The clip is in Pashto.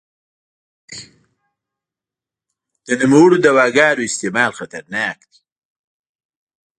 د نوموړو دواګانو استعمال خطرناک دی.